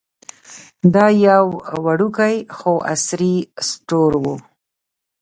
دا یو وړوکی خو عصري سټور و.